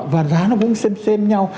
và giá nó cũng xem xem nhau